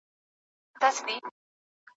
ظریف خان ته ګوره او تاوان ته یې ګوره `